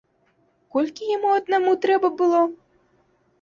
Колькі яму аднаму трэба было?